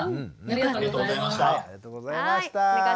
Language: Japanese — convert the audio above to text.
稲川さんありがとうございました。